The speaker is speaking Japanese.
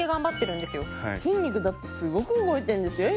筋肉だってすごく動いてるんですよ